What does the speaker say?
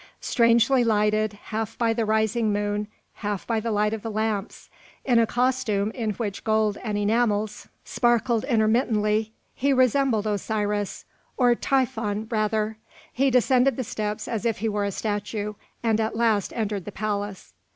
Strangely lighted, half by the rising moon, half by the light of the lamps, in a costume in which gold and enamels sparkled intermittently, he resembled Osiris, or Typhon rather. He descended the steps as if he were a statue, and at last entered the palace.